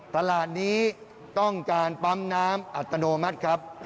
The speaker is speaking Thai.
ตลาดนี้ต้องการปั๊มน้ำอัตโนมัติครับ